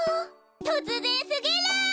とつぜんすぎる！